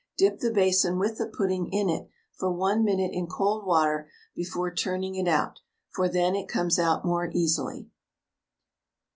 Dip the basin with the pudding in it for 1 minute in cold water before turning it out, for then it comes out more easily.